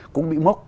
cũng bị mất